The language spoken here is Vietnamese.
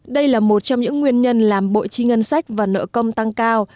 đây là một trong những nguyên nhân làm bộ trí ngân sách và nợ công tăng cao